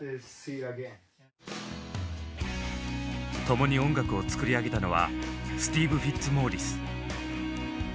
共に音楽を作り上げたのはスティーヴ・フィッツモーリス。